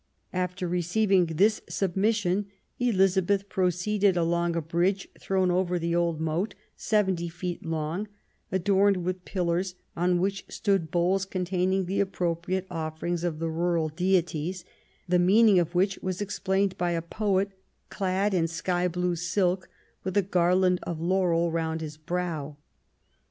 After receiving this submission Eliza beth proceeded along a bridge thrown over the old moat, seventy feet long, adorned with pillars on which stood bowls containing the appropriate offer ings of the rural deities, the meaning of which was explained by a poet, clad in sky blue silk, with a garland of laurel round his brow.